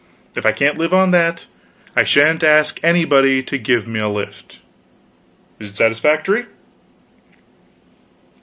If I can't live on that, I sha'n't ask anybody to give me a lift. Is it satisfactory?"